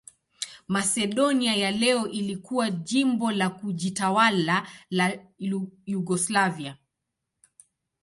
Masedonia ya leo ilikuwa jimbo la kujitawala la Yugoslavia.